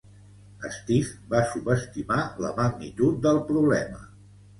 Steve va subestimar la magnitud del problema.